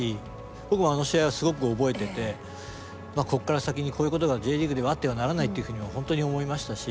僕もあの試合はすごく覚えててここから先にこういうことがＪリーグではあってはならないっていうふうに本当に思いましたし。